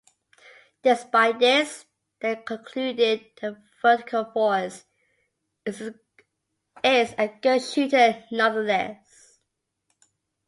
Despite this, they concluded that "Vertical Force" is "a good shooter nonetheless.